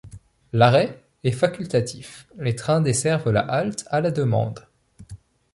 L’arrêt est facultatif, les trains desservent la halte à la demande.